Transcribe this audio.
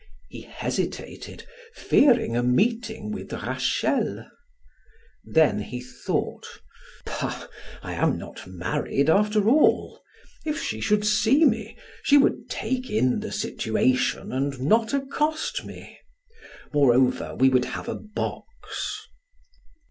He hesitated, fearing a meeting with Rachel. Then he thought: "Bah, I am not married after all. If she should see me, she would take in the situation and not accost me. Moreover, we would have a box."